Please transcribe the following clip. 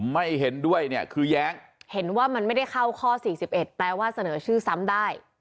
ไม่เห็นด้วยเนี่ยคือแย้งเห็นว่ามันไม่ได้เข้าข้อ๔๑แปลว่าเสนอชื่อซ้ำได้